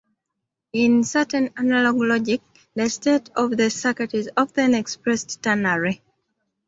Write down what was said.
In certain analog logic, the state of the circuit is often expressed ternary.